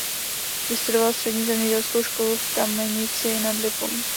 Vystudoval Střední zemědělskou školu v Kamenici nad Lipou.